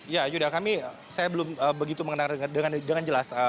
ya yuda kami saya belum begitu mengenal dengan jelas